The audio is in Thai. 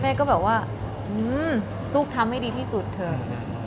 ก็บอกว่าลูกทำให้ดีที่สุดเถอะ